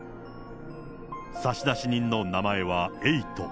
差出人の名前はエイト。